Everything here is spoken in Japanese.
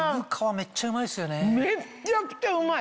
めっちゃくちゃうまい！